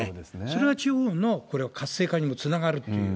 それは地方の、これは活性化にもつながるという。